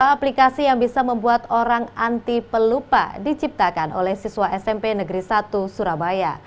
aplikasi yang bisa membuat orang anti pelupa diciptakan oleh siswa smp negeri satu surabaya